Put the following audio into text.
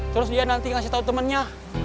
terus dia nanti ngasih tau temennya